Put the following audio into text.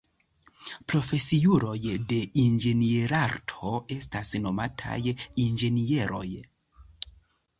Profesiuloj de inĝenierarto estas nomataj inĝenieroj.